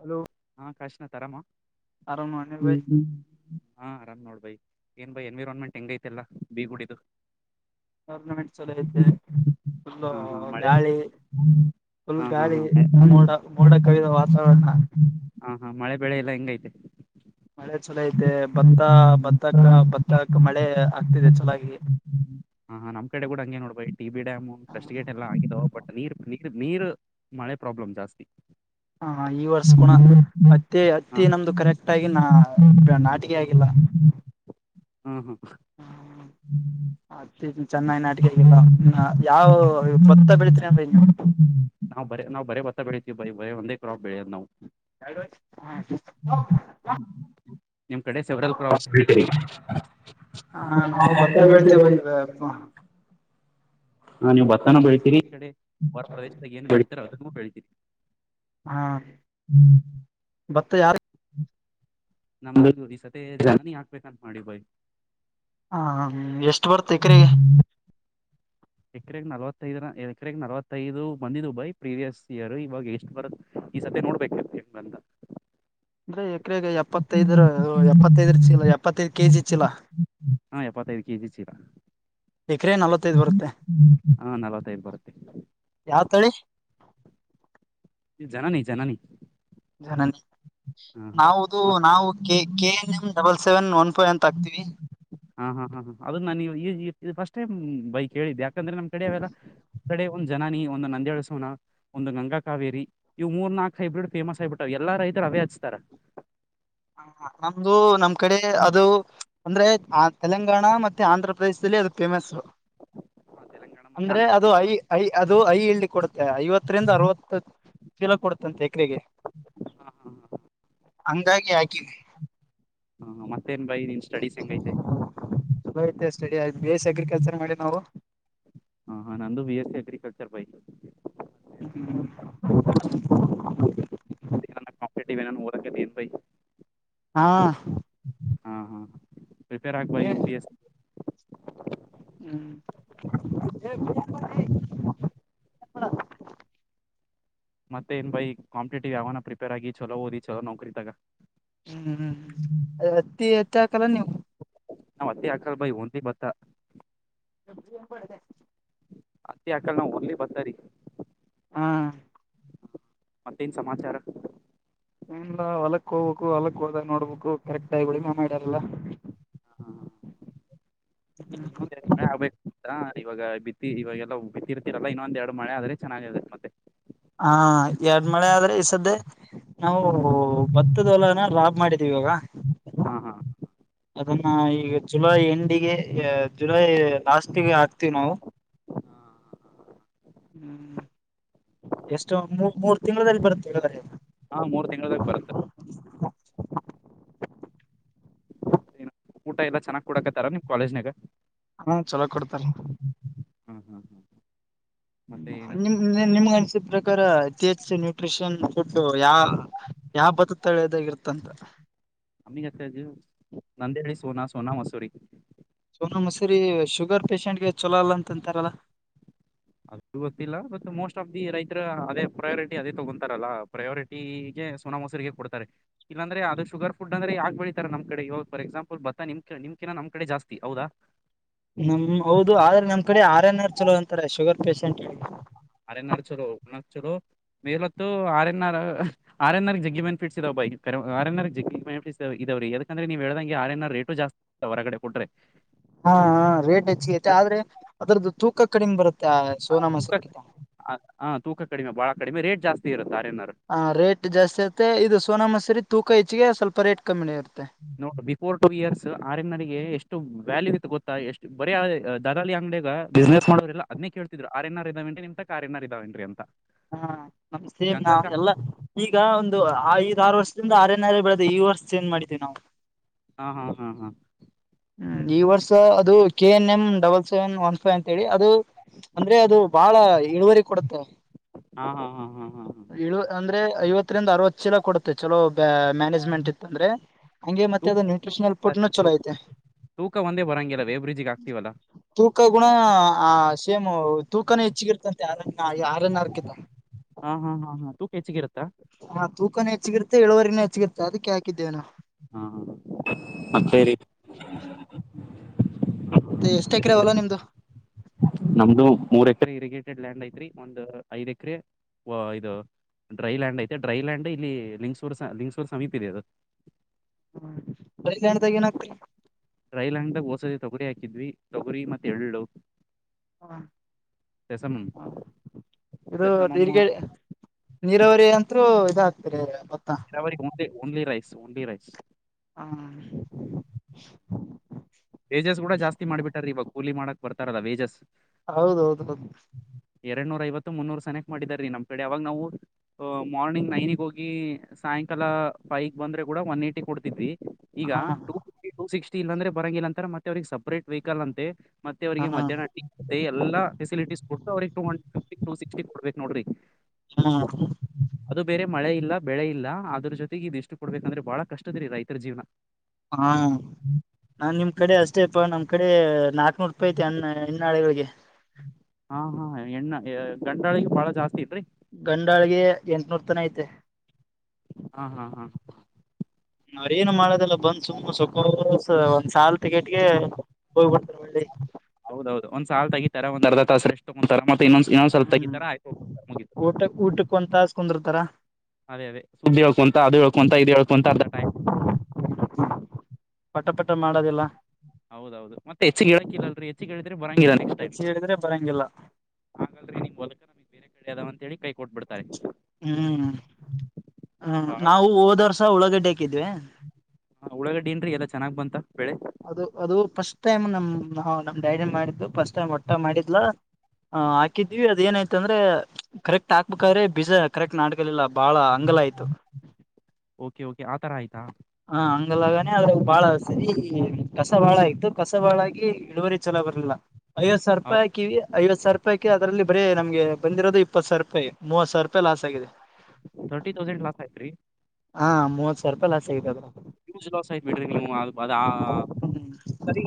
Hello ಹಕಾಷ್ನ ತರಮ ಆರಾಮ ನೀವೈ ಹಾ ಆರಾಮ್ ನೋಡ್ ಬೈ ಏನ್ ಬೈ ಎನ್ವಿರಾನ್ಮೆಂಟ್ ಹೆಂಗ ಐತೆಲ್ಲ ಬೀಗುಡಿದು ಟೂರ್ನಮೆಂಟ್ ಚಲೋ ಐತೆ ಫುಲ್ಲೂ ಹಾ ಹಾ ಮಳೆ ಗಾಳಿ ಫುಲ್ ಹಾ ಹಾ ಗಾಳಿ ಹಾ ಮೋಡ ಮೋಡ ಕವಿದ ವಾತಾವರಣ ಹ ಹ ಮಳೆ ಬೆಳೆ ಎಲ್ಲಾ ಹೆಂಗ್ ಐತೆ ಮಳೆ ಚಲೊ ಐತೆ ಭತ್ತ ಭತ್ತಕ್ಕ ಭತ್ತಕ್ ಮಳೆ ಆಗ್ತಿದೆ ಚಲೊಗಿ [unintelligible] ಹ್ಮ್ ಹ್ಮ್ ನಮ್ ಕಡೆ ಕೂಡ ಹಂಗೆ ನೋಡು ಬೈ T B dam first gate ಎಲ್ಲ ಆಗಿದವು ಬಟ್ ನೀರ್ ನೀರ್ ನೀರ್ರು ಮಳೆ ಪ್ರಾಬ್ಲಮ್ ಜಾಸ್ತಿ ಹ ಈ ವರ್ಷ ಗುಣ ಅತ್ತಿ ಹಾ ಅತ್ತಿ ನಮ್ದು ಹಾ ಕರೆಕ್ಟ್ ಆಗಿ ನಾ ನಾಟಿಗೆ ಆಗಿಲ್ಲ [inaudible] ಹ್ಮ್ ಹ್ಮು ಅತ್ತ ಚೆನೈಗಿ ನಾಟಿಗೆ ಆಗಿಲ್ಲ ಹಾ ಯಾವ ಭತ್ತ ಬೆಳಿತಿರ ಬೈ ಇಲ್ಲಿ ನಾವ್ ಬರೇ ನಾವು ಬರೇ ಬತ್ತ ಬೆಳತಿವಿ ಬೈ ಬರೇ ಒಂದೇ ಕ್ರಾಪ್ ಬೆಳೆಯೋದ್ ನಾವು [unintelligible] ನಿಮ್ ಕಡೆ ಸೆವೆರಲ್ ಕ್ರಾಸ್ ಬೆಳಿತ್ತಿರಿ ಹ ನಾವು ಭತ್ತ [inaudible] ಹಾ ನೀವು ಭತ್ತನ ಬೆಳೀತೀರಿ ಈ ಕಡೆ ಹೊರ ಪ್ರದೇಶದಾಗ ಏನ್ ಬೆಳೀತಾರೆ ಅದನ್ನು ಬೆಳತೀರಿ ಹ್ಮ್ ಬತ್ತ ಯಾರ್ ನಮ್ದ ಈ ಸತಿ ಜರ್ನಿ ಹಾಕ್ಬೇಕಂತ ಅನ್ಕೊಂಡಿದಿವಿ ಬೈ ಹಾ ಎಷ್ಟು ಬರ್ತ ಎಕರೆಗೆ ಎಕ್ರಗ ನಲವತ್ತೈದು ಎಕರೆ ನಲ್ವತ್ತೈದು ಬಂದಿದ್ವು ಬೈ ಪ್ರೀವಿಯಸ್ ಇಯರ್ ಇವಾಗ ಎಷ್ಟು ಬರುತ್ ಈ ಸತಿ ನೋಡ್ಬೇಕ್ ಎಸ್ಟು ಅಂತ ಅಂದ್ರೆ ಎಕರೆಗೆ ಎಪ್ಪತ್ತೈದರ ಎಪ್ಪತ್ತೈದರ ಚೀಲ ಎಪ್ಪತ್ತೈದು ಕೆಜಿ ಚೀಲ ಹಾ ಎಪ್ಪತ್ತೈದು ಕೆ ಜಿ ಚೀಲಾ ಎಕ್ರೆ ನಲವ ಹಾ ನಲವತ್ತೈದು ಬರುತ್ತೆ ಯಾವ್ ತಳಿ ಜನನಿ ಜನನಿ ಜನನಿ ಹಾ ನಾವುದು ನಾವು ಕೆ ಮತ್ K N M double seven one five ಅಂತ ಹಾಕ್ತಿವಿ ಹ ಹ ಹ ಹಾ ಅದು ನಾ ನೀ ಈ ಫಸ್ಟ್ ಟೈಮ್ ಬೈ ಕೇಳಿದ್ದೆ ಯಾಕಂದ್ರೆ ನಮ್ ಕಡೆ ಅವೆಲ್ಲ ಕಡೆ ಒಂದ್ ಜ ನಿ ಒಂದು ನಂದೆಹೇಳ್ ಸೋನ ಒಂದು ಗಂಗಾ ಕಾವೇರಿ ಇವು ಮೂರ್ ನಾಕ್ ಹೈಬ್ರೀಡ್ ಫೇಮಸ್ ಆಗ್ಬಿಟ್ಟವ ಎಲ್ಲಾ ರೈತರು ಅವೇ ಹಚ್ತಾರ ಹ ನಮ್ದು ನಮ್ ಕಡೆ ಅದು [unintelligible] ಅಂದ್ರೆ ಆ ತೆಲಂಗಾಣ ಮತ್ತೆ ಆಂಧ್ರ ಪ್ರದೇಶದಲ್ಲಿ ಅದು ಫೇಮಸ್ [unintelligible] ತೆಲಂಗಾಣ ಮತ್ತೆ ಅಂದ್ರೆ ಆಂಧ್ರ ಅದು ಪ್ರದೇಶ ಐ [unintelligible] ಐ ಅದು ಐ ಇಲಿ ಕೊಡುತ್ತೆ ಐವತ್ತರಿಂದ ಅರವತ್ತು [unintelligible] ಚಿಲ ಕೊಡತಂತೆ ಎಕರೆಗೆ ಹ ಹಂಗಾಗಿ ಹಾಕಿನಿ [unintelligible] ಹ್ಮ ಮತ್ತೇನ್ ಬೈ ನೀನ್ ಸ್ಟಡೀಸ್ ಹೆಂಗೈತೆ [unintelligible] ಚೂಲ ಐತೆ ಸ್ಟಡಿ ಬಿ ಎಸ್ ಅಗ್ರಿಕಲ್ಚರ್ ಮಾಡಿವಿ ನಾವು [unintelligible] ಹಾ ಹಾ ನಂದು B S C agriculture by [unintelligible] ಹ್ಮ್ [unintelligible] ಕಪಟ ಅಕ್ಕೆ ಬೈ [unintelligible] ಹಾ [unintelligible] ಹಾ ಹಾ ಪ್ರರಿಪೇರ್ ಆಗ್ಬ ಯು ಪಿ ಎಸ್ [unintelligible] ಹ್ಮ್ [unintelligible] ಮತ್ತೆ ಏನ್ ಬೈ ಕಾಂಪಿಟೇಟಿವ್ ಯಾವನ ಪ್ರಿಪೇರ್ ಆಗಿ ಚಲೋ ಓದಿ ಚಲೋ ನೌಕರಿ ತೂಗು [unintelligible] ಹ್ಮ್ ಹ್ಮ್ ಅದ ಹತ್ತಿ ಹತ್ತಿ ಹಾಕಲ್ಲ ನೀವು [unintelligible] ನಾವ್ ಹತ್ತಿ ಹಾಕಲ್ ಬೈ ಹೊನ್ಲಿ ಭತ್ತ. ಎ ಪಡ [unintelligible] ಹತ್ತಿ ಹಕಳ ನ ಒನ್ಲಿ ಬರ್ತಾರಿ. ಹಾ [unintelligible] ಮತ್ತೇನ್ ಸಮಾಚಾರ [unintelligible] ಲ್ಲ ಹೊಲಕ್ ಹೋಗ್ಬೇಕು ಹೊಲಕ್ ಹೋದಾಗ ನೋಡ್ಬೇಕು ಕರೆಕ್ಟ ಆಗಿ ಉಳಮೆ ಮಾಡ್ಯಾರಲ್ಲಾ [unintelligible] ಹಾ ಇನ್ನು ಇನ್ನೊಂದ [unintelligible] ಇವಾಗ ಬಿತ್ತಿ ಇವಾಗಲ್ಲ ಬಿತ್ತಿರ್ತಿರಲ್ಲ ಇನ್ನೊಂದ ಎರಡು ಮಳೆ ಆದ್ರೆ ಚೆನ್ನಾಗಿರುತ್ತೆ ಮತ್ತೆ [unintelligible] ಹಾ ಎರಡ್ ಮಳೆ ಆದ್ರೆ ಈ ಸದ್ದೇ [unintelligible] ನಾವು ಭತ್ತ ದ ಹೊಲನ ರಾಬ್ ಮಾಡಿದೀವಿ ಇವಾಗ ಹಾ [unintelligible] ಹಾ ಅದನ್ನ ಈಗ ಜುಲೈ ಎಂಡಿಗೆ ಜುಲೈ ಲಾಸ್ಟ್ಗೆ ಹಾಕ್ತಿವಿ ನಾವು [unintelligible] ಹ್ಮ್ ಎಷ್ಟು ಮೂ ಮೂರು ತಿಂದಲ್ಲಿ ಬರುತ್ತೆ ಹೇಳಿದ್ರೆ [unintelligible] ಹಾ ಮೂರ್ ತಿಂಗಳ ಬರುತ್ತೆ [unintelligible] ಏನು ಊಟ ಎಲ್ಲ ಚೆನ್ನಾಗ್ ಕುಡಕತ್ತಾರ ನಿಮ್ ಕಾಲೇಜ್ನಾಗ [unintelligible] ಹ್ಮ ಚಲೋ ಕೊಡ್ತಾರ [unintelligible] ಹ್ಮ್ ಹ್ಮ್ ಹ್ಮ್ [unintelligible] ಮತ್ತೆ ಏನ ನಿಮ ನಿಮ್ ಅನ್ಸಿದ ಪ್ರಕಾರ ಅತಿ ಹೆಚ್ಚು ನ್ಯೂಟ್ರಿಷನ್ ಫುಡ್ ಯಾ [unintelligible] ಯಾವ ಬದುತಾಳೆದಾಗಿ ಇರುತ್ತಂತ [unintelligible] ಅಮ್ಮಗತ್ತು ನಂದೇಹಳ್ಳಿ ಸೋನಾ ಸೋನಾ ಮಸೂರಿ [unintelligible] ಸೋನ ಮಸೂರಿ ಶುಗರ್ ಪೇಶಷೆಂಟ್ ಗೆ ಚೊಲೋ ಅಲ್ಲ ಅಂತ ಅಂತಾರಲ್ಲ [unintelligible] ಅದು ಗೊತ್ತಿಲ್ಲ ಬ ಮೋಸ್ಟ್ ಆಫ್ ದಿ ರೈತರ ಅದೇ ಪ್ರಯೋರಿಟಿ ಅದೇ ತಗೊಂತಾರಲ್ಲ ಪ್ರಯೋರಿಟಿ [unintelligible] ಈಗೆ ಸುಣ ಮೊಸರಿಗೆ ಹೇಗ್ ಕೊಡ್ತಾರೆ [unintelligible] ಇಲ್ಲಾರ ಅದು ಶುಗರ್ ಫುಡ್ ಅ್ರ ಯಾಕ್ಳಿತಾರೆ ನಮ ಕಡೆ ಇವಾಗ ರ್ ಎಕ್ಸಾಂಪಲ್ ಬತ್ತ ನಿಮ್ಮಕಿ ನಮ ಕಡೆ ಜಾಸ್ತಿ ಹದಾ [unintelligible] ನಮ ಹೌದು ಆದ್ರೆ ನಮ್ಮ ಕಡೆ ಆರ್ ಎನ್ ಆರ್ ಚಲೋ ಅಂತಾರೆ ಶುಗರ್ ಪೇಶಷೆಂಟ್ [unintelligible] ಆರನ್ನಾರ ಚುಲ ಉ ನ ಚುರು ಮೇಲೊತ್ತು ಆರನ್ನರ [unintelligible] ಆರ್ ಎನ್ ಆರ್ ಜಗ್ಲಿ ಬೆನಿಫಿಟ್ಸ್ದೆಾವ ಬ ಆರ್ ಎನ್ ಆರ್ ಜಗ್ಲಿ ಬೆನಿಸ್ ಇದಾವ ರ ಯಕಂದ್ರ ನೀವ ಹೇಳ್ದಂ ಆರ್ನ್ ಆರ್ ರೇಟ ಜಾಸ್ತಿ [unintelligible] ಹೊರಗಡೆ ಕೊಟ್ರೆ [unintelligible] ಹಾ ರೇಟ್ ಹೆಚ್ಚಿ ಐತೆ ಆದ್ರೆ ಅದ್ರದ್ದು ತೂಕ ಕಡಿಮೆ ಬರುತ್ತೆ [unintelligible] ಸೋನಾ ಮಸೂರಿಕಿಂತ ಹ ತೂಕ ಕಡಿಮೆ ಬಾಳ ಕಡಿಮೆ ರೇಟ್ ಜಾಸ್ತಿ ಇರುತ್ತೆ ಆರೇನಾರರು [unintelligible] ಹ ರೇಟ್ ಜಾಸ್ತಿ ಆರುತ್ತೆ ಇದು ಸೋನಾ ಮಸೂರಿ ತೂಕ ಹೆಚ್ಗೆ ಸ್ವಲ್ಪ ರೇಟ್ ಕಮ್ಮಿ ಇರುತ್ತೆ [unintelligible] ನೋಡ ಬಿಫೋರ್ ಟು ಇಯರ್ಸ್ ಆರನಿಗೆ ಎಷ್ಟು ವ್ಯಾಲ್ಯೂ ಇತ್ತು ಗೊತ್ತಾ ಎಷ್ಟು [unintelligible] ಬರೀ ದಾದಲ್ಲಿ ಅಂಗಡಗ ಬಿಸ್ನೆಸ್ ಮಾಡೋರ ಎಲ್ಲ ಅದ್ಕೇಳ್ತಿದ್ ಆರ್ನಾರ ಇದ್ದಾವೇನ್ ನಿಮಂತಕ್ ಆರನಾರ ಇದಾವೇನ್ ಅಂತ [unintelligible] ಹಾ ನಮಸ್ [unintelligible] ನಾ ಗಂಗಾಕ ಎಲ್ಲ ಈಗ ಒಂದು ಐದ ಆರು ವರ್ಷದಿಂದ ಆರೆನರೆ ಬೆಳೆದ ಈ ವರ್ಷ ಚೇಂಜ್ ಮಾಡಿದೇವಿ ನಾವು [unintelligible] ಹಾ ಹಾ ಹಾ ಹಾ [unintelligible] ಹ್ಮ ಈ ವರ್ಷ ಅದು K N M double seven one five ಅಂತ ಹೇಳಿ ಅದು [unintelligible] ಅಂದ್ರೆ ಅದು ಬಹಳ ಇಳುವರಿ ಕೊಡುತ್ತೆ ಹಾ ಹಾ ಹಾ ಹಾ ಹಾ ಹಾ ಇಳ ಅಂದ್ರೆ ಐವತ್ತರಿಂದ ಅರವತ್ತು ಚಿಲ ಕೊಡುತ್ತೆ ಚಲೋ ಬ ಮ್ಯಾನೇಜ್ಮೆಂಟ್ ಇತ್ತ ಅಂದ್ರೆ ಹಂಗೆ ಮತ್ತೆ ತೂಕ ಅದು ನ್ಯೂಟ್ರಷನಲ್ ಪೋಟ್ ಚಲೋ ಐತೆ ತೂಕ ಒಂದ ರಂಗಿಲ್ಲಲ್ಲ ವೇಬ್ರಿಜಿಗೆ ಆಗ್ತಿವಲ್ಲ ತೂಕ ಗುಣ ಆ ಸೇಮ್ ತೂಕಾನ ಹೆಚ್ಚಗಿರ್ತಂತೆ ಆರ ಆರನ್ ಆರ್ಗ ಹಾ ಹಾ ಹಾ ಹಾ ತೂ ಕ ಹೆಚ್ಚಗಿತ್ತಾ ಹಾ ತೂಕನೇ ಹೆಚ್ಚಿತ್ತೆ ಇಳುವರಿನ ಹೆಚ್ಚಿತ್ತೆ ಅದಕ್ಕೆ ಹಾಕಿದ್ದೇವನು ಹ್ಮ ಹ ಮತ್ತರಿ [inaudible] ಮತ್ತೆ ಎಷ್ಟ ಹಾಕಿರಾವಲ್ಲ ನಿಮ್ದು ನಮ್ದು ಮೂರ್ ಎಕರೆ ಇರಿಗೇಟೆಡ್ ಲ್ಯಾಂಡ್ ಐತ್ರಿ ಒಂದ್ ಐದ್ ಎಕರೆ ಇದು ಡ್ರೈಲ್ಯಾಂಡ್ ಐ ಡೈ ಲ್ಯಾ್ ಇಲ್ಲಿ ಲಂಗಸೂ ಲಿಂಗ್ೂರ್ ಸಮೀ ಇದೆ ಅದು ಹ್ಮ ಬೈದಾಣದಾಗ ಏನ್ತ ರೈಲಂಗದಾಗ ೋಸದ ತೊಗುರಿ ಹಾಕಿದ್ವಿ ತೊಗುರಿ ಮತ್ತೆ ಎಳ್ಳು ದಸಮ ಇದು ಸಸಮಮ್ಮ ನೀರ್ಗ ನೀರಾವರಿ ಅಂತರು ಇದಾಗಾಕ್ತರಿ ಭತ್ತ ನ್ ಓನ್ಲಿ ರೈಸ್ ಓನ್ಲಿ ರೈಸ್ ಹಾ ವೇಜಸ್ ಕೂಡ ಜಾಸ್ತಿ ಮಾಡ್ಬಿಟಾರೀ ಇವಾಗ ಕೂಲಿ ಮಾಡಕಕ್ ಬರ್ತಾರಲ್ಲ ವೇಜಸ್ ಹೌದೌದು ಹೌದು ಎರಡ್ ನೂರ ಐವತ್ತು ಮುನ್ನೂರ್ ಸನಕ್ ಮಾಡಿದಾರ ರೀ ನಮ್ ಕಡೆ ಅವಾಗ ನಾವು ಮಾರ್ನಿಂಗ್ ನೈನಿಗೆ ಹೋಗಿ ಸಾಯಂಕಾಲ ಫೈಗ್ ಬಂದ್ರೆ ಕೂಡ ಒನ್ ಏ್ಟಿ ಕೊಡ್ತಿದ್ವಿ ಈಗ ಹಾ ಟೂ ಫಿಫ್ಟಿ ಟೂ ಸಿಕ್ಸ್ಟ ಇ ಅಂದ್ರೆ ಬರಂಗಿಲ್ಲ ಅಂತರ ಮತ್ತೆ ಅವ್ರಿಗೆ ಸಪ್ರೇಟ್ ವೆಹಿಕಲ್ ಅಂತೆ ಮತ್ತೆ ಹಾ ಅವರಿಗೆ ಮಧ್ಯಾಹ್ನಟ್ಟಿ ಅದ ಎಲ್ಲ ಫಸಿಲಿಟೀಸ್ ಕೊಟ್ಟ ಅವ್ರಿಗೆ two hundred fifty two sixty ಕೊಡ್ಬೇಕು ನೋಡ್ರಿ ಹ್ಮ ಅದು ಬೇರೆ ಮಳೆ ಇಲ್ಲ ಬೆಳೆ ಇಲ್ಲ ಅದ್ರ ಜೊತೆಗೆ ಇದ ಎಷ್ಟು ಕೊಡ್ಬೇಕಂದ್ರೆ ಬಹಳ ಕಷ್ಟದರಿ ರೈತರ ಜೀವನ ಹಾ ನಾನ್ ನಿಮ್ ಕಡೆ ಅಷ್ಟೇಪ್ಪ ನಮ್ ಕಡೆ ನಾಲ್ಕ್ನೂರು ರೂಪಾಯ ಐತೆ ಅನ್ನ ಹನ್ನಾಳಗಳಿಗೆ ಹಾ ಹಾ ಎಣ್ಣ ಗಂಡ್ರಾಳಿಗೆ ಬಾಳ ಜಾಸ್ತಿ ಇದ್ರಿ ಗಂಡಾಳಗೆ ಎಂಟನೂರ್ ತನ ಐತೆ ಹಾ ಹಾ ಹಾ ನಾವ್ರ ಏನು ಮಾಡೋದಲ್ಲ ಬಂದ್ ಸುಮ ಸೊಕೋ ಒಂದ್ ಸಲ್ ಟಿಕೆಟ್ಗೆ ಹೋಗ್ಬಿಟ ಹೌದ ಹೌದು ಒಂದ್ ಸಲ್ ತಿತತ ಒ್ ಅರ್ಧ ತಾಸ್ರ ಎಷ್ಟು ಮುಂತತ ಮತ್ತ ಇನ್ನೊಂದು ಇನ್ನಂದಂದು ಸಲ್ ಹ್ಮ್ ತಗಿತತ ಆಯ ಮುಗ ಊಟ ಊಟ ಕೊಂತ ಕುಂದಿರ್ತರ ಅದೇದೇ ಸುಬಿ ಹಳ್ಕಂತ ಅದು ಹಳ್ಕೊಂತ ಇ ಹೇಳ್ಕಂತ ಅರ್ ಟ ಪಟ ಪಟ ಮಾಡದಿಲ್ಲ ಹೌದೌದು ಮತ್ತೆ ಹೆಚ್ಚಗೆ ಹೇಳಕ್ಕಿಲ್ಲ ಅಲ್ರರಿ ಹೆಚ್ಚಳಿದ್ರೆ ಬರಂಗಿಲ್ಲ ನೆಕ್ಸ್ಟ್ ಟೈಮ್ ಹೆಚ್ಚಿಗೆ ಹೇಳಿದ್ರೆ ಬರಂಗಿಲ್ಲ ಹಾಗಾದ್ರೆ ನಿಮ್ಮ ಹೊಲಕ ನಮಗ್ ಬೇರೆ ಕಡೆೆಯ ಆದದವ ಅಂತೇಳಿ ಕೈ ಕೊಟ್ಬಿಡ್ತಾರೆ ಹ್ಮ್ ಹ್ಮ್ ಬಾಳ ನಾವು ಹೋದರ್ಸ ಉಳಗಡ್ಡೆ ಹಕಿದ್ವಿ ಹ ಉಳ್ಳಗ ಡೀನ್ೀ ಎಲ್ಲ ಚೆನ್ನಾಗ್ ಬಂತ ಬೆಳೆ ಅದು ಅದು ಫಸ್ಟ್ ಟೈಮ್ ನಮ್ ನಮ್ ಡೈರಿ ಮಾಡಿದ್ದು ಫಸ್ಟ್ ಟೈಮ್ ಹೊಟ್ಟ ಮಾಡಿದ್ಲ ಹ ಹಾಕಿದೀವಿ ಅದ ಏನಾಯ್ತಂದ್ರೆ ಕರೆಕ್ಟ್ ಹಾಕ್ಬೇಕಾದ್ರೆ ಬೀಜಾ ಕರೆಕ್ಟ್ ನಾಟಕದಲ್ಲಿಲ್ಲ ಬಹಳ ಅಂಗಲ ಆಯ್ತು ಓಕೆ ಓಕೆ ಆತರ ಆಯ್ತಾ ಹ ಹಂಗಲಾಗಾನೇ ಅದ ಬಾಳ ಆತತಿ ಕಸ ಬಾಳ ಆಯ್ತು ಕಸ ಬಾಳಾಗಿ ಇಳುವರಿ ಚಲೋ ಬರ್ಲಿಲ್ಲ ಐವ ಸಾವರ ರೂಾಯಿ ಹಕಿವ ಐ ಸಾವರ ರೂಪಿಾಿ ಅದಲ್ಲಿ ಬರಿ ನಮಗೆಂದಿರೋ ಇಪ್ಪ ಸಾವಿರ ರೂಪಿ ಮೂವತ್ ಸಾವಿ ರೂಾಯ ಲಾಸ್ ಆಗಿದೆ ತರ್ಟಿ ತೌಸಂಡ್ ಲಾಸ್ ಆಯತ್ರಿ ಹಾ ಮೂವತ್ ಸಾವಿರ ರೂಪಾಯಿ ಲಾಸ್ಗದ ಹ್ಯೂಜ್ ಲಾಸ್ ಆಯ್ತ್ ಬಿಡ್ರಿ ನೀವು ಅ ಅದ ಹ್ಮ ಸರಿ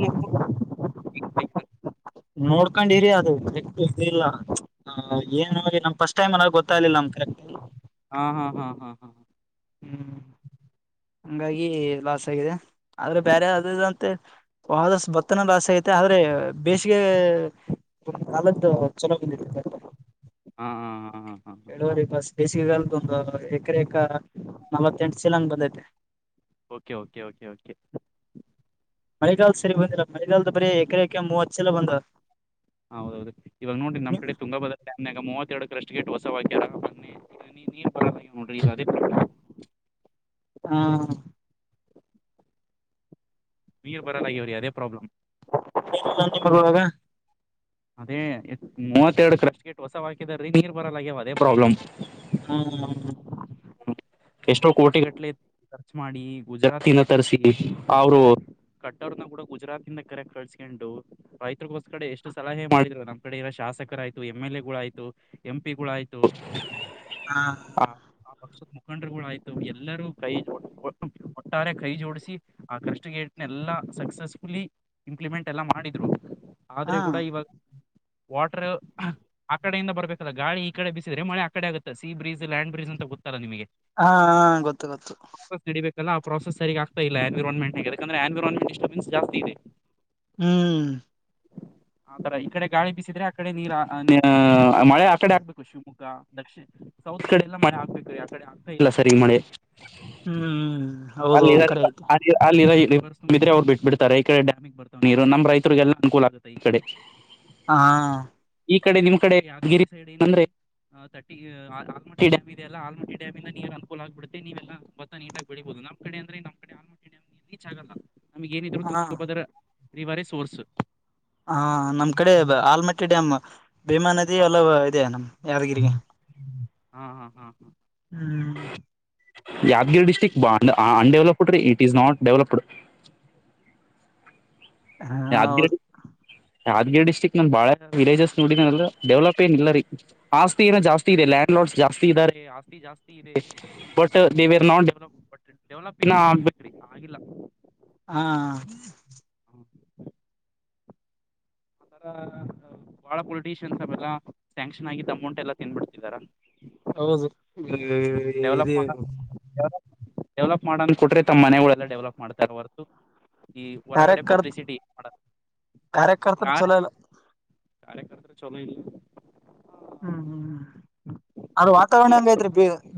ನೋಡ್ಕೊಂಡಿರಿ ಅದುಿಲ್ಲ ಹ ಏನ ನ ಸ್ಟ್ ಟೈಮ್ ಅನಾಗ ಗೊತ್ತಾಗಲಿಲ್ಲ ನಮ್ ಹಾ ಹಾ ಹಾ ಹಾ ಹಾ ಹ್ಮ್ ಹಂಗಾಗಿ ಲಾಸ್ ಆಗಿದೆ ಆದ್ರೆ ಬೇರೆ ಅದದಂತೆ ವಷ್ಟು ಬತ್ತನ ಆಸೆ ಐತೆ ಆದ್ರೆ ಬೇಸಿಗೆ ಅದ್ದ ಚೆನ್ನಾಗಿ ಇತ್ತ ಹಾ ಹಾ ಹಾ ಹಾ ಹಾ ಹ ಬೇಸಿಗೆಗಾಲದೊ ಒಂದು ಎಕರೆಕ ನಲವತ್ತೆಂಟು ಸಿೀಲಾಂಗ್ ಬಂದೈತೆ ಓಕೆ ಓಕೆ ಓಕೆ ಓಕೆ ಮಳೆಗಾಲದ ಸರಿ ಬಂದಿಲ್ಲ ಮಳೆಗಾಲದ ಬರೀ ಎಕರೆಕ ಮೂವತ್ತು ಜಲ ಬಂದ ಹೌದೌದು ಇವಾಗ ನೋಡಿ ನಮ್ಮ ಕಡೆ ತುಂಗಭದ ನೆನ್ನೆಗ ಮೂವತ್ತರಡು ಕರಷ್ಟು ಗಟ್ ಹೊಸ ಅಕ್ಯಾರ ನೀ ನೀರ್ ಬರ್ಲಾಗ್ಯಾವ ನೋಡ್ರಿ ಈ ಸಾರಿ ಊ ನೀರ್ ಬರಲ್ಲ ಆಗವ್ರೀ ಅದೇ ಪ್ರಾಬ್ಲ್ [unintelligible] ವಾಗ ಅದೇ ಮೂವತ್ತೆರಡು ಕ್ರಶ್ ಗೆಟ್ ಹೊಸ ಹಾಕಿದ್ರೀ ನೀರ್ ಬರಲ್ಲಗ್ಯವ ಅದೇ ಪ್ರಾಬ್ಲಮ್. ಹ್ಮ ಹ್ಮ್ ಹ್ಮು ಎಷ್ಟೋ ಕೋಟಿ ಗಟ್ಲಿ ಖರ್ಚ್ ಮಾಡಿ ಗುಜರಾತಿಂದ ತರಿಸಿ ಅವರು ಕಟ್ಟೋರನ್ನ ಕೂಡ ಗುಜರಾತಿಂದ ಕರೆಕ್ ಕಳ್ಸ್ಕೊಂಡು ರೈತ್ರಿಗೋಸ್ಕಡೆ ಎಷ್ಟು ಸಲಹೆ ಮಾಡಿದರೋ ನಮ್ಮ ಕಡೆ ಇರೋ ಶಾಸಕರಾಯಿತು ಎಂ ಎಲ್ ಎ ಗಳಾಯ್ತು. ಎಂ ಪಿ ಗಳ್ ಆಯ್ತು ಹಾ ಹ ಆ ಪಕ್ಷದ ಮುಖಂಡರುಗಳು ಆಯ್ತ ಎಲ್ಲರೂ ಕೈ ನ [unintelligible] ಓಟ್ಟಾರೆ ಕೈ ಜೋಡಿಸಿ ಆ ಕ್ರಸ್ಟ್ ಗೇಟ್ನೆಲ್ಕ್ ಸಕ್ಸಸ್ಫುಲಿ ಇಂಪ್ಲಿಮೆಂಟ್ ಎಲ್ಲ ಮಾಡಿದ್ರು ಹ ಆದ್ರೆ ಕೂಡ ಇವಾಗ ವಾಟರ್ ಆ ಕಡೆಯಿಂದ ಬಬೇಕಲ್ಲ ಗಾಳಿ ಈ ಕಡೆ ಬಿಸಿದ್ರೆ ಮಳೆ ಆ ಕಡೆ ಆಗುತ್ತೆ ಸ ಬ್ರಜ್ ಲ್ಯಾ್ ಬ್ರಿಜ್ ಅಂತ ಗೊತ್ತಲ್ಲ ನಿಮಗೆ ಹಾ ಗೊತ್ತು ಗೊತ್ತು [unintelligible] ನಡಿಬೇಕಲ್ಲ ಆ ಪ್ರಸಸ್ ಸರಿ ಆಗ್ತ ಇಲ್ಲ ಎನ್ವಿರಾನ್ಮೆಂಟ್ ಈಗಾಕಂದ್ರೆ ಎನ್ವಿರನಮೆಂಟ್ ಡಿಸ್ಟರ್ಬೆನ್ಸ್ ಜಾಸ್ತಿ ಇದೆ. ಹ್ಮ್ ಆತರ ಈ ಕಡೆ ಗಾಳಿ ಬಿಸಿದ್ರೆ ಆ ಕಡೆ ನೀರ ಮಳೆ ಆ ಕಡೆ ಆಗ್ಬೇಕು ಶಿವಮೊಗ್ಗ ದಕ್ಷಿಣ ಸೌತ್ ಕಡೆ ಎಲ್ಲಾ ಮಳೆ ಆಗ್ಬೇಕು ರೀ ಯಾ ಕಡೆ ಆಗ್ತಾ ಇಲ್ಲ ಸರ್ ಈಗ ಮಳೆ ಹ್ಮ್ ಅಲ್ಲಿ ಹೌದೌದು ಕರಿ ಆಯ್ತು ಅಲ್ಲಿ ರಿವರ್ ತುಂಬಿದೆ ಅವ್ರು ಬಿಟ್ಬ ಬಿಡ್ತಾರೆ ಈ ಕಡೆ ಡ್ಯಾಮಿ್ ಬರ್ತವ ಇರು ನಮ್ಮ್ ರೈತರಿಗೆಲ್ಲ ಅನುಕೂಲ ಆಗುತ್ತೆ ಈ ಕಡೆ ಹಾ ಈ ಕಡೆ ನಿಮ್ ಕಡೆ ಯಾದಗಿರಿ ಸೈಡ್ ಏನ ಅಂದ್ರೆ ಅ ತಂದ್ ಆಲ್ಮಟ್ಟಿ ಡಾಮ ಇದೆ ಅಲ್ಲ ಆಲ್ಮಟ್ಟಿ ಡಾಮ್ ಂದ ನೀರ್ ಅನುಕೂಲ ಆಗ್ಬ ಬಿಡುತ್ತೆ ನೀವೆಲ್ಲ ಭತ್ತ ನೀಟಾಗಿಬೇಳೀಬಹುದು ನಮ್ಮ ಕಡೆ ಅಂದ್ರೆ ನಮ್ಮ ಕಡೆ ಆಮ ನೀರ್ ರೀಚ್ ಆಗಲ್ಲ ನಮ್ಗೆ ಏನಿದ್ರು ಹ ತುಂಬ ಬದ್ರ ರಿವರೇ ಸೋರ್ಸ್ ಹ ನಮ್ ಕಡೆ ಆಲಮಟ್ಟಿ ಡ್ಯಾಮ್ ಭೀಮಾ ನದಿ ಎಲ್ಲ ಇದೆ ನಮ್ ಯಾದಗಿರಿಗೆ ಹಾ ಹಾ ಹಾ ಹಾ ಹ್ಮ್ ಯಾದಗಿರಿ ಡಿಸ್ಟ್ರಿಕ್ಟ್ ಅನ್ಡೆವಲಪಡ್ ರೀ ಇಟ್ ಇಸ್ ನಾಟ್ ಡೆವಲಪಡ್ ಹ ಹೌದು ಯಾದ್ಗೀರ್ ಯಾದ್ಗೀರ್ ಡಿಸ್ಟಿಕ್ ನ ಬಾಳೆ ವಿಲೇಜಸ್ ನೋಡಿ ನಲ್ಲ ಡೆವಲಪ್ ಏನ್ ಇಲ್ಲ ರೀ ಆಸ್ತಿ ಏನ ಜಾಸ್ತಿ ಇದೆ ಲ್ಯಾಂಡ್ ಲಾಸ್ ಜಾಸ್ತಿ ಇದ್ದಾರೆ ಆಸ್ತಿ ಜಾಸ್ತಿ ಇದೆ ಬಟ್ ದೇವಾರ ನಾ ಡೆವಲಪ್ ಬ ಡೆವಲಪ್ ಇನ ಆಗ್ಬೇಕ್ರಿ ಆಗಿಲ್ಲ ಹಾ ಬಹಳ ಪೊಲಿಟಿಷಿಯನ್ಸ್ ಅವೆಲ್ಲ ಶ್ಯಾಂಕ್ಷನ್ ಆಗಿದ್ದ ಅಮೌಂಟ್ ಎಲ್ಲಾ ತಿನ್ಬಿಡ್ತಿದಾರ. ಹೌದು ಇಹ ಡೆವಲಪ್ ಮಾಡ ಡೆವಪ್ ಡೆವಲಪ್ ಮಾಡೋನ್ ಕೊಟ್ರೆ ತಮ್ಮ ಮನೆಗಳೆಲ್ಲ ಡೆವಲಪ್ ಮಾಡ್ತಾರ್ ಹೊರ್ತು. ಈ ಹೊರಗಡೆ ಕಾರ್ಯಕರ್ ಪಬ್ಲಿಸಿಟಿ ಮಾಡ ಕಾರ್ಯಕರ್ತರು ಕಾರ್. ಚಲೋ ಇಲ್ಲ ಕಾರ್ಯಕರ್ತ ಚೊಲೊ ಇಲ್ಲ. ಹ್ಮ್ ಹ್ಮ ಅದ್ ವಾತಾವರ್ಣ ಹಂಗ ಐತ್ರಿ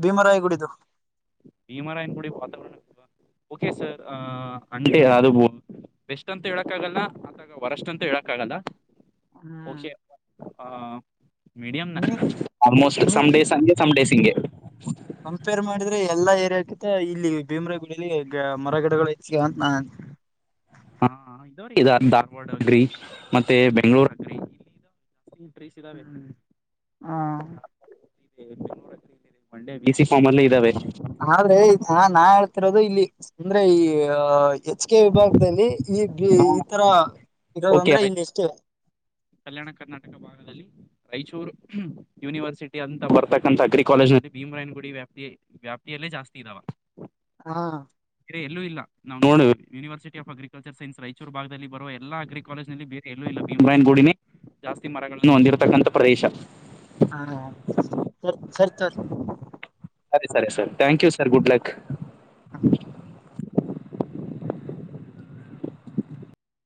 ಭೀಮರಾಯಿ ಗುಡಿದು. ಭೀಮರಾಯನ್ ಗುಡಿದು ವಾತಾವರ್ಣ ಚಲೋ [unintelligible] ಓಕೆ ಸರ್ ಅಂಗೇ ಅದು. ಬೆಸ್ಟಂತು ಹೇಳಕ್ ಆಗಲ್ಲ ಅತಗ ವರಷ್ಟ ಅಂತನು ಹೇಳಕ್ ಆಗಲ್ಲ. ಹ್ಮ್ ಓಕೆ ಹಾ ಮೀಡಿಯಂನಾ ನೀ ನೀ ಸಮ್ಡೇಸ್ ಹಂಗೆ ಸಮ್ಡೇಸ್ ಹಿಂಗೆ. ಕಂಪೇರ್ ಮಾಡಿದ್ರೆ ಎಲ್ಲ ಏರಿಯಾ ಕಿತ ಇಲ್ಲಿ ಬೀಮ್ರಾಯ್ ಗುಡಿಲಿ ಮರ ಗಿಡಗಳು ಹೆಚ್ಚಿಗೆ ಹಾವ ಅಂತ ನಾ ಅಂತ್. ಹಾ ಇದೊರಿ ಇದರ್ ಧಾರ್ವಾಡ್ವಾಗ್ರಿ ಮತ್ತೆ ಬೆಂಗ್ಳೂರಾಗ್ರಿ. ಫುಲ್ ಟ್ರೀಸ್ ಇದಾವೆ ಹ್ಮ್ ಹ [unintelligible] ಬೆಂಗ್ಳೂರಗ್ರಿ ಇಲ್. ಏ ಬಿ ಸಿ ಫಾರ್ಮ್ ಅಲ್ಲೇ ಇದಾವೆ. ಆದ್ರೆ ನಾ ನಾ ಹೇಳ್ತಿರೋದು ಇಲ್ಲಿ ಅಂದ್ರೆ ಇ ಆ. H K. ಓಕೆ ಆಯ್ತು. ಕಲ್ಯಾಣ ಕರ್ನಾಟಕ ಭಾಗದ. ಲಿ ರಾಯ್ಚೂರು ಯೂನಿವರ್ಸಿಟಿ ಅಂತ ಬರ್ತಕ್ಕಂತ ಅಗ್ರಿ ಕಾಲೇಜ್ನಲ್ಲಿ ಭೀಮರಾಯ್ನ ಗುಡಿ ವ್ಯಾಪ್ ಪಿ ವ್ಯಾಪ್ತಿಯಲ್ಲಿ ಜಾಸ್ತಿ ಇದಾವ. ಹಾ ಏ ಎಲ್ಲೂ ಇಲ್ಲ ನಾವ್ ನೋಡ್ university of agri agriculture science ಭಾಗದಲ್ಲಿ ಬರುವ ಎಲ್ಲ ಅಗ್ರಿ ಕಾಲೇಜಿನಲ್ಲಿ ಬೇರೆ ಎಲ್ಲೂ ಇಲ್ಲ ಬಿಮ್ರಯನ್ ಗುಡಿನೇ. ಜಾಸ್ತಿ ಮರಗಳನ್ನು ಹೊಂದಿರ್ತಕ್ಕಂಥ ಪ್ರದೇಶ. ಹಾ ಸರ್ ಸರ್ ತೊಗೋರಿ. ಅದ್ ಸರಿ sir thank you sir good luck. ಹಾ